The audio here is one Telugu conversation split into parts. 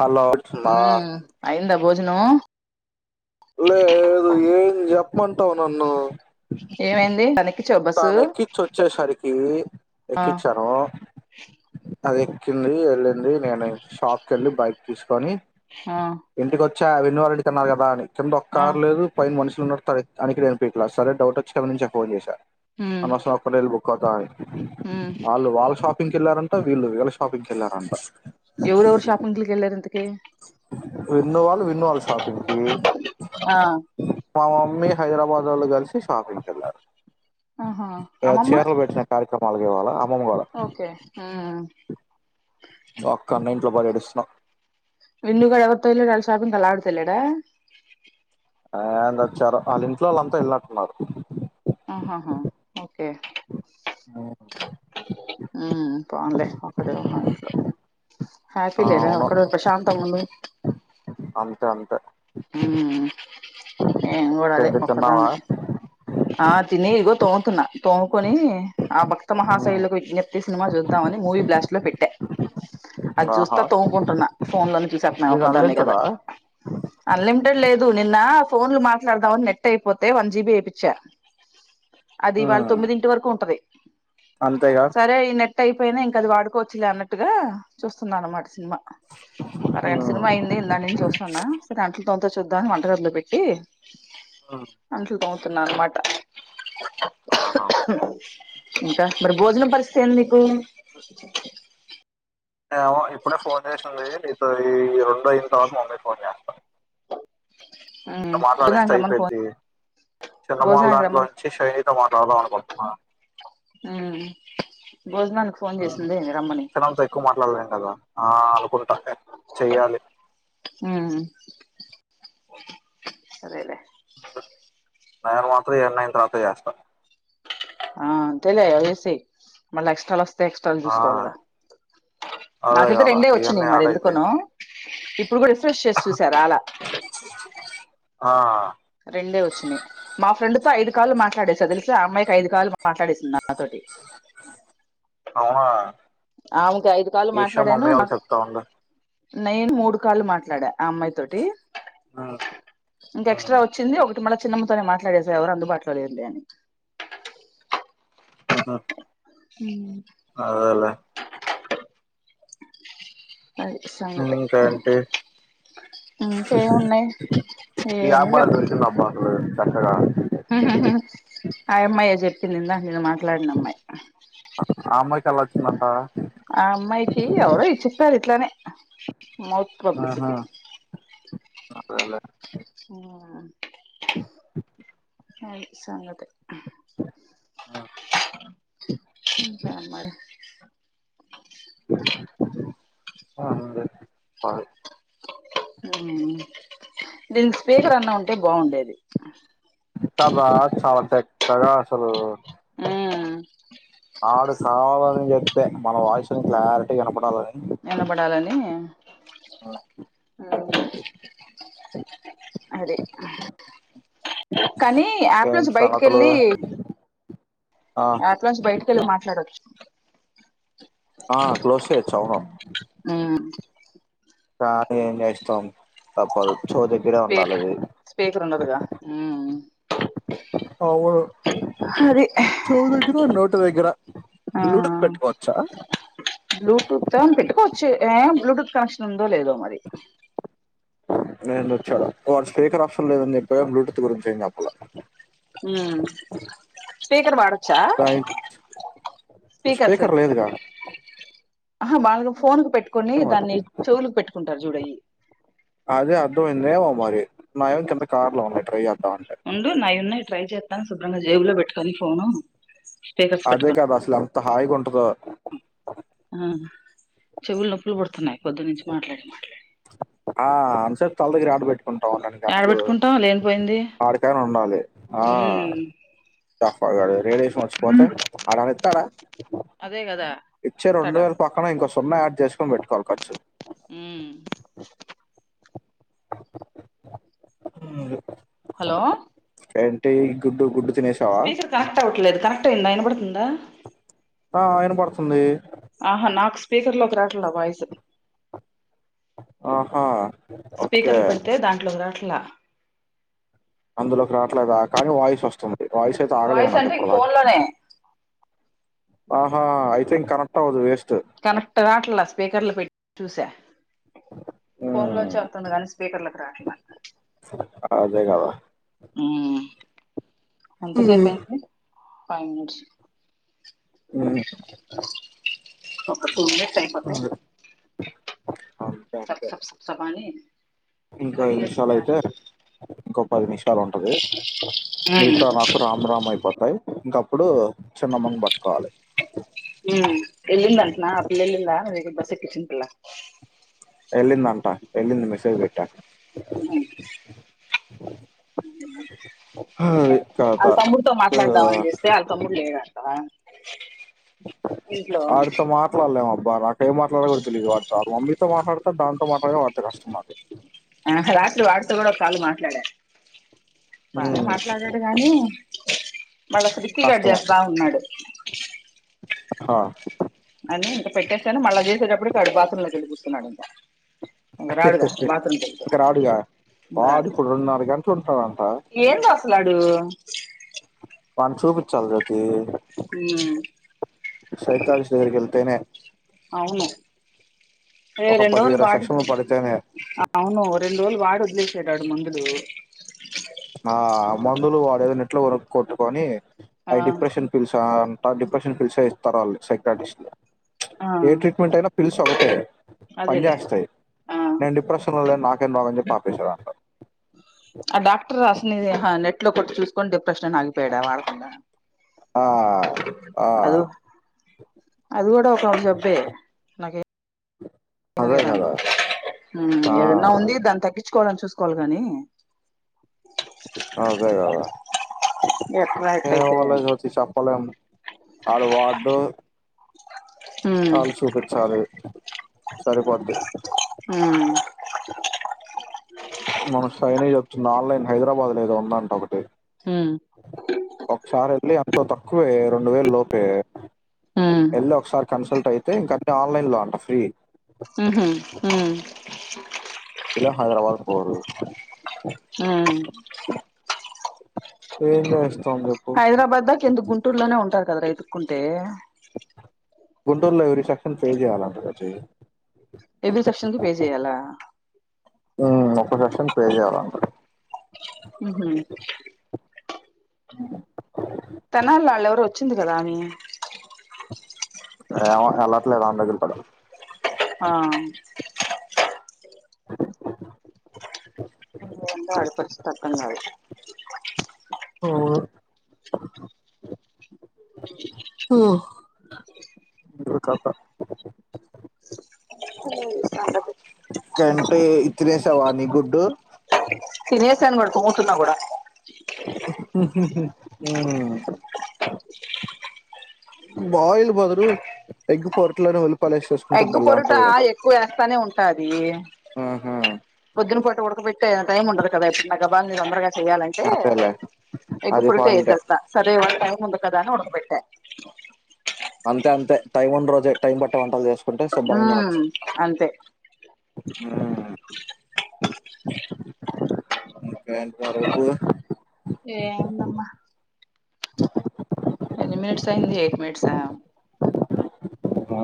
హలో నా ఉ అయిందా భోజనం చెమంటావు నన్ను ఏమైంది మనకి తాను ఎక్కించి వచ్చేసరికి ఆ ఎక్కించాను అది ఎక్కింది వెళ్ళింది నేను షాక్ వెళ్ళి బైక్ తీసుకొని హా చ్చ వెన్నవారెడ్డి కిన్నారు కదా అని కింద ఒకక్క ఆ కారు లేదు పోయిన మనిషి అనికిేనుపించట్లా సరే డౌట్ వచ్చిప్ప నుంచి ఫోన్ చేశారు ఉమ్ అనసారి ఒక రేళ్ళ బుక్ అవుతాని ఉమ్ వాళ్ళు వాళ్ళ షాపింగ్కి వెళ్ళారంట వీళ్ళు వీళ్ళ షాపింగ్కి వెళ్ళారంట ఎవరు ఎవరు షాపింగ్లికిెళ్ళారు ఎంతకే విన్నోవాళ్ళు విన్నవాళ్ళు షాపింగ్కి ఆ మా మమ్మీ హైదరాబాద్ లోళ కలిసి షాఫీంగ్క వెళ్ళారు ఆహా ఏ అమ్మమ్మ చీరలు పెట్టిన కార్యక్రమాలుకి ఇవ్వాలా ఓకే ఉ ఒక్క అన్న ఇంట్లో పర్యటిస్తున్నాం శబ కలడు తెలడా ఆ వచ్చారు వాళ్ళ ఇంట్లో వాళ్ళుంతా వెళ్ళినట్టున్నారు ఆహాహా ఓకే ఉ ఉ పోలే ఒకటి రన్నాట్లో హ్యాపీ లేరా అవును ఒకక్కడోజ ప్రశాంత మమమి అంతే అంతే ఏ కూడా అదే ఇంకేంటి తిన్నావా ఒక్కదానే ఆ తిిన ఇగో త తోముకొని ఆ భక్త మహాశైలకు విజ్ఞప్తి సినిమా చూద్దాంమని మూవీ బ్లాస్ట్ లో పెట్ టె అది ఆహా చూస్తా తోముకుంటున్నా ఫోన్ లోనే చూసేస్తున్నా నీది ఒకదాన్ని కదా అన్లిమిటెడా అన్లిమిటెడ్ లేదు నిన్న ఫోన్లు మాట్లాడదాంని నెట్ అయిపోతే వన్ జీబి ఏపీచ్చా అది వాళ్ళ తొమ్మిది ఇంటి వరకు ఉంటది అంతేగా సరే ఈ నెట్ అయిపోయినా ఇంక అది వాడుకోవచ్చులే అన్నట్టుగా చూస్తుంన అనమాట సినిమా ఒక అరగంట సినిమా అయింది దానిని చూసాన్న అంటలు తొంత చూద్దాని వంటగదిలో పెట్టి అంటలు త రుణ నామాట ఆహా ఓకే ఇంకా మరి భోజనం పరిస్థితి అంది మీకు మ ఇప్పుడే ఫోన్ చేసింది నీతో ఈ రెండు అయిన తర్వాత మమ్మీ ఫోన్ చేస్తాను ఉమ్ టమాట భోజనానికి ఎటయి రమ్మని ఫోన్ పెది సినిమాలు భోజనానికి దాంట్లో రమ్మని నుంచి షైనితో మాట్లాడదాం అనుకుంటున్నాను ఉమ్ భోజనానికి ఫోన్ చేసింది రమ్మని చరంతా ఎక్కువ మాట్లాడలేం కదా ఆ అకు ఉ సరేలే [inaudible] నయరు మాత్రం ఎన్నైని తర్వాత చేస్తా ఆ అంతలే వసి మళ్ళ ఎక్స్ాలస్త టక్స్టల్ ఆ చూసుకోవాలిగా అదే నాకి ఇద్ద కదా రెండే ఇవన్నీ వచ్చినయి మరి యాడ్ అయితాయి ఎందుకన ఇప్పుడు కూడా రిఫ్రెష్ చేసి చూసారు రాలే ఆ రెండే వచ్చినాయి మా ఫ్రెండ్ తో ఐదు కాళ్లు మాట్లాడేసారు తెలిస అమ్మాయికి ఐదు కాళ్లు మాట్డేస్తున్నారు నాతోటి అవునా ఆమెకు ఐదు కాలు ఈషా మాట్లాడాను మమ్మీ నా వాళ్ళు చెప్తా ఉండు నేను మూడు కాళ్లు మాట్లాడ ఆ అమ్మాయి తోటి ఉమ్, ఇంక ఉమ్, ఎక్స్ట్రా వచ్చ ఒకటి మళ్ళ చిన్న మతోానే మాట్లాడే సార్ ఎవరు అందుబాటలోడిర్లే అని ఆహా హ అది సంగతి ఇంకా అంటే ఇంకేమున్నాయి క ఏమి లేవు మ అబ్బా అ చక్కగా ఆ అమ్మాయ చెప్పింది ఇందా నేను మాట్లాడిన అమ్మాయి ఆ అమ్మాయికి ఎళ్లా వచ్చిందంట ఆ అమ్మాయికి ఎవరు ఇచ్చిస్తారు ఇట్లానే మౌత్ పబ్లిసిటీ అేలే ఆ అ సంగతే ఉమ్, ఇకా అ మరి అ దీని స్పీకర్ అన్నా ఉంటే బాగుండేది క్కబ చాలత ఎక్కగా అసలు ఆ ఆడు చాలని చెప్తే మన వాయిసుని క్లారిటీ కనపడాల నినబడాలని అదే కానీ యాప్ నుంచి ఇంకేంటి బయటికి సంగతులు వెళ్ళి ఆ అట్లా నుంచి బయటికెళ్ళి మాట్లాడవచ్చు ఆ క్లోషే చవున కాం చేస్తాం తప్పదు చోతికిడ స్పీ ఉండాలి అది స్పీకర్ ఉండదుగా అవును అది చౌద ఎకుర నూట ఎగర ఆ లలుడుకు పెట్టుకోవచ్చా బ్లూటూత్ పెట్టుకోవచ్చు ఏ బ్లూటూత్ కనెక్షన్ ఉందో లేదో మరి నేందు వచ్చాడు ఒక వడు స్పీకర్ ఆప్షన్ లేదని చెప్పా బ్లూటూత్ గురించి ఏ చెప్పల హ స్పీకర్ బడొచ్చా దాని స్పీకర్ లేదుగా ఆహా బా ఫోన్ క పెట్టుకొని ఏమో దాన్ని చెవులకి పెట్టుకుంటారు చూడయి అదే అది నమ మారి నయంం చె కాార్లోన్నా ఉండు నవి ఉన్నాయి్ ట్రై చేస్తాను సుబ్ర్ జేబులో పెట్టుకొని ఫోను స్పీకర్స్ అదే పెట్టుకొని కాదా అసలు ఎంత హాయి కొంటదు ఆ చెవులు నొప్పులు పుడుతున్నాయి పొద్దునుంచి మాట్లాడి మాట్లాడి ఆ అన్సత్ తలదగి ఆడ్బట్ కుంటాము రెండు యాడ గంటలు పెట్టుకుంటాం లేనిపోయింది ఆడికనా ఉండాలి ఆ చఫ రడే సోచపథ ఉమ్ అ తారా అదే కదా ఇచ్చే రె ఇత్తడా పేలు పక్కన ఒక సున్నా యాడ్ చేసుకొని పెట్టుకోవాలి ఖర్చు ఉమ్ అ హలో టై గుడ్డు గుడ్ స్పీకర్ కనెక్ట్ అవ్వట్లేదు కనెక్ట్ అయ్యిందా విన పడుతుందా ఆ ఆయన పడుతుంది ఆహా నాకు స్పీకర్ లోకి రాటడా వాయిస్ ఆహా ఓకే. స్పీకర్లు పెడితే దాంట్లో ఒక రాట్లా అందులోకి రాట్లేదుా కానీ వాయిస్ వస్తుంది వయి సత ఆగలేద వాయిస్ అంటే ఇక నాకప్పుడదా ఫోన్ లోనే ఆహా ఐ థింక్ కనెక్ట్వుదు వేస్ట్ కనెక్ట్ కాట్లా స్పీకర్లు పెట్టి చూసా ఫోన్ హ్మ్. లోంచ వతుంది కాగానీ స్పీకర్లకి రాట్లా అదే గదా! ఎంతసేపు అయిడి ఫైవ్ మినిట్స్ ఆ ఒక కుటి తైపోతే అంతే సబ్ అంతే. స సఫ స పని ఇంకో ఐదు నిమిషాలు అయితే ఇంకో పది నిమిషాలు ఉంటది ఉమ్ మీతా నాకు రామ్ రామ్ అయిపోతాయి ఇంకప్పుడు చిన్నమ్మని పట్టుకోవాలి ఉమ్ శఖ పల్ల ఎలింద అంటా ఎలింద మెసేజ్ బట్ట ఉ అది కథ. వాళ్ళ తమ్ముడితో ఆ! మాట్లాడదామని చేస్తే వాళ్ళ తమ్ముడు లేదంట అడుతో మాట్లాడలేమా బా నాకే మాట్డకదు తెలియదు వాడుారు మమ్మీతో మాట్లాడతారు దాంతోతో మాట్లాడ వాడితే కష్టంది డే బాగానే ఉమ్ మాట్లాడాడు గానీ మళ్ళా ఫ్రికిీ గడ చేస్తా ఉన్నాడు హా అని ఇంకా పెట్టేస్తాని మళ్ళా చేసేటప్పుడుకిడు బాత్ర లో కిలిపిస్తున్నాడు ఇంకా ఒకకా రాడుగా ఇంక బాత్రూమ్ తె రాడుగా వాడు ఇప్పుడు రెండున్నర గంటలు ఉంటారంట లాడు పసపి చల్దత సైకా విష దగరుకళ్తేనే అ రెం వోలు బాడు అవును రెం వోళ బడుద్ ఏ ఏడు మందులు ఆ మందులు వాడ ఏదైనా ఇట్లో వరక్ కొట్టుకొని ఆ అవి డిప్రెషన్ పిల్చా డిప్రెషన్ పిలిస్ ఇస్తారు వాళ్ళు సైకలాజస్ట్ ఆ ఏ ట్రీట్మెంట్ అయినా పిలుసు ఒకటే పని అదేలే చేేస్తాయి ఆ నేను డిప్రెషన్ లో నాకేం రాగని చెప్పిపేశాారు అంటారు ఆ డాక్టర్ అసని నెట్ లో కొట్టి చూసుకొని డిప్రెషన్ ఆగిపోయాడా వాడకుండా ఆ ఆ అద అది కూడా ఒక జబ్బే నాకే ఏం అదే లేదంన్నా కదా ఆ ఏదన్నా ఉంది దాన్ని తగ్గ చకోవాలని చూసుకోవాలి గాని జగ ఎట్లా ఎట్లయితే వాళజచ్చ చప్పాల ఆ వార్డు ఉమ్ వాళ్ళు చూపించాలి సరిపోద్ది ఉమ్ మనం సైనే వప్తుంది ఆన్లైన్ హైదరాబాద్ లోదో ఉందంట ఒకటి ఉమ్ ఒకసారి వెళ్ళి అంతో తక్కువే రెండు వేలు లోపే ఉమ్ వెళ్ళ ఒకసారి కన్సల్ట్ అయితే ఇంకాీ ఆన్లైన్ లో అంట ఫ్రీ హహ ఇలా హైదరాబాద్ పోదు ఆ ఏంట అ హైదరాబాద్ దా కింద గుంటూరులోనే ఉంటారు కదా రైతుక్కుంటే గుంటూరులోవిరి సెక్షన్ పే చేయాలంట క చె ఎవీ సెప్క్షన్ క పే చెయ్యాలా మ్ ఒక్కసేషన్ ప్రే చేయాలంట మ్ హు హ తెనళ్ వాళ్ళెవరో వచ్చింది కదా మీ ఏమొ ఎలాట్లే వని దగ్గరికి కూడ ఆ ఏందో అడపడ్చ్చుతో అర్ధం కాదు ఒ మ్ ఇది కత ఇది సంగతి కంటే ఇతినేసవానీ గుడ్డు తినేసాను కూడ తోమూతున్నా కూడా మ్ హు మ్ మ్ బాయిల్ బదులు ఎగ్ పొరట్లోనే వెల్ ఎగ్ పొరుట ఎక్కువ వేస్తానే ఉంటాది ఆహా పొద్దున పూట ఉడకబెట్ టైం ఉందు కదా గాబల్నా గమ్మున చెయాలంటే అదేలే ఎగ్ అది పాయింటే పురిటేసేస్తా సరే టైం ఉంది కదా అని ఉడకబెట్టా అంతే అంతే టైం ఉన్న రోజే టైం పట్టే వంటల్ చేస్ కుంటే శుబ్బరంగా తినొచ్చు ఉమ్ అంతే మ్మ్ ఇంకేంటి మరుపు ఏముందన్న ఎన్ని మినిట్స్ అయింది ఎయిట్ మినిట్స్ సా ఆ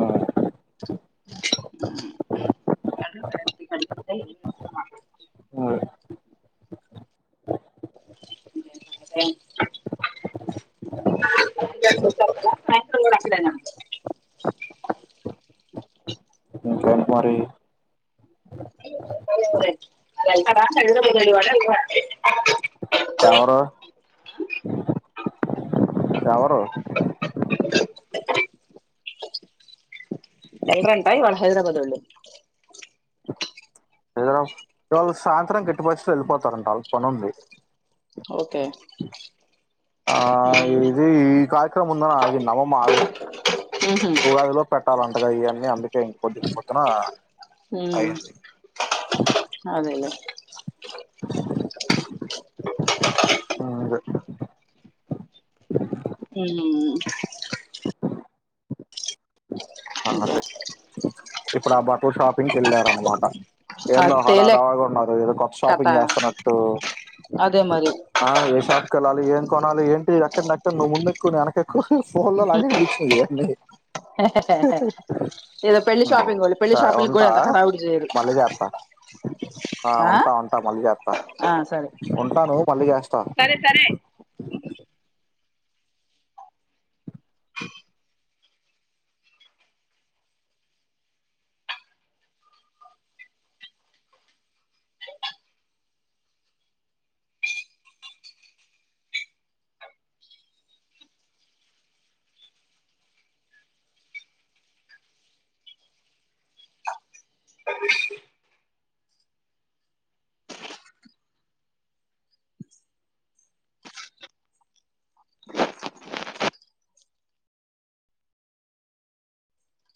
మ్ అ అే [unintelligible] సాయంత్రం కూడ అక్కడేనా కేంటి మరి [unintelligible] వెళ్తాడా [unintelligible] ఎవరు ఎవరు ళ్ళరంటా ఇవాళ హైదరాబాదోళ్ళు ఎదురు ఇవాళ సాయంత్రం గిట్టుబస్సులో వెళ్ళిపోతారంట వాళ్ళక్ పనుంది ఒకే ఆ ఇది ఈ కార్యక్రమం ఉందాని ఆగింది అమ్మమ్మ ఆగమంది ఉహు ఉగాదిలోప్ పెట్టాలంటగా ఇవన్నీ అందుకే ఇం పోద్దున్ పొద్దున మ్ అయింది అదే ఇగ ఆ అదే మ్ అ ఇంకా అదే ఇప్పుడు ఆ బటల షాపింగ్కి వెళ్ళారన్నమాట ఆ ఏందో హలా తేలే డావాగా ఉన్నారు ఏదో కొత్త కథ షాపింగ్ చేస్తున్నట్టు అదే మరి ఆ ఏ షాప్కి వెళ్ళాలి ఏం కొనాలి ఏంటి ఎక్కడి ఎక్కడి నువ్వు ముందుెక్కు నిన్ వెనకె ఫోన్ లో లాగే అనిపించింది ఇయన్ని ఏదో పెళ్లి మ్ షాపింగ్ వాళ్ళు పెళ్లి స షాపింగ్ కూడా ఉంటా అంత హడావుడి చేయరు మళ్ళీ చేత్త ఆ ఉంటా ఉంటా మళ్ళీ చేత్త ఆ సరే ఉంటాను మళ్ళీ చేస్తా సరే సరే